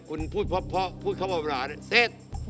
คุณพูดเพราะพูดเข้ามาว่าเสร็จ